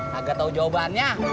kagak tau jawabannya